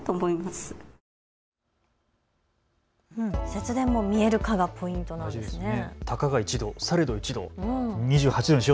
節電も見える化がポイントなんですね。